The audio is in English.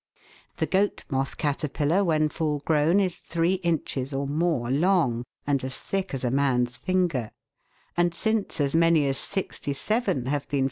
The goat moth caterpillar when full grown is three inches or more long and as thick as a man's finger ; and since as many as sixty seven have been found Fig.